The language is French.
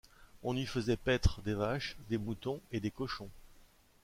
On y faisait paître des vaches, des moutons et des cochons.